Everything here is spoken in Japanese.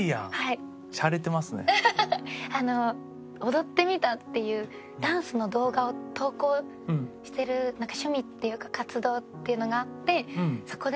「踊ってみた」っていうダンスの動画を投稿してる趣味っていうか活動っていうのがあって。